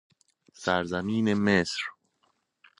سرزمین مصر